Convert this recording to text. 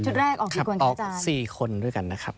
ชุดแรกออก๔คนด้วยกันนะครับ